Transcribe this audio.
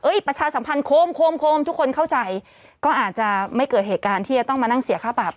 ประชาสัมพันธ์โคมโคมทุกคนเข้าใจก็อาจจะไม่เกิดเหตุการณ์ที่จะต้องมานั่งเสียค่าปรับ